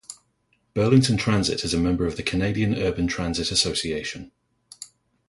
Burlington Transit is a member of the Canadian Urban Transit Association.